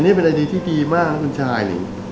อันนี้เป็นไอเดียที่ดีมากนะคุณชาย